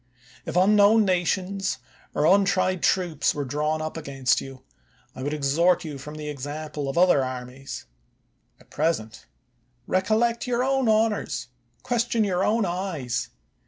If unknown nations or untried troops were drawn up against you, I would exhort you from the example of other armies. At present, recol lect your own honors, question your own eyes.